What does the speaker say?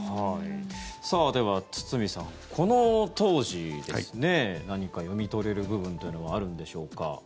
では、堤さんこの当時、何か読み取れる部分というのはあるんでしょうか。